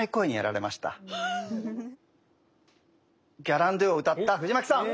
「ギャランドゥ」を歌った藤牧さん。